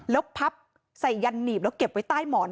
แล้วพับใส่ยันหนีบแล้วเก็บไว้ใต้หมอน